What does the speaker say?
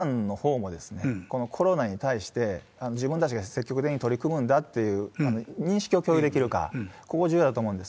まず、医療機関のほうも、このコロナに対して、自分たちが積極的に取り組むんだっていう認識を共有できるか、ここ重要だと思うんです。